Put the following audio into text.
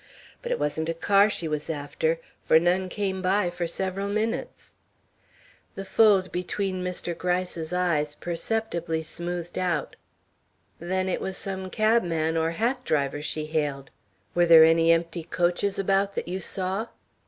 But it wasn't a car she was after, for none came by for several minutes." The fold between Mr. Gryce's eyes perceptibly smoothed out. "Then it was some cabman or hack driver she hailed. Were there any empty coaches about that you saw?"